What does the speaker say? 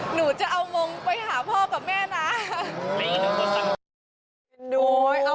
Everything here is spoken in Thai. หนูจะเอามงค์ไปหาพ่อกับแม่นะ